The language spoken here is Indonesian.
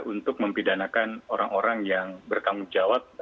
untuk mempidanakan orang orang yang bertanggung jawab